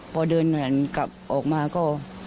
พอเดินแหวนกลับออกมาก็